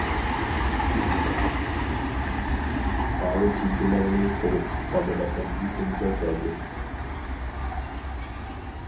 ئاۋۇ جىگدىلەرنى كۆرۈپ بالىلىقىم ئېسىمگە كەلدى.